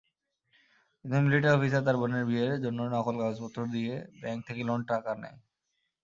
একজন military officer তার বোনের বিয়ের জন্য নকল কাগজপত্র দিয়ে ব্যাংক থেকে টাকা লোন নেয়।